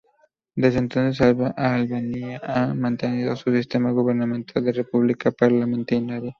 Desde entonces, Albania ha mantenido un sistema gubernamental de república parlamentaria.